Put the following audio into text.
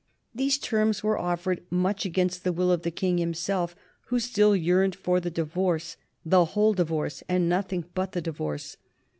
These terms were offered much against the will of the King himself, who still yearned for the divorce, the whole divorce, and nothing but the divorce.